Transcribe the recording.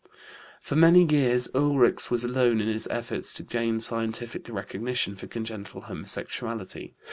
" For many years Ulrichs was alone in his efforts to gain scientific recognition for congenital homosexuality.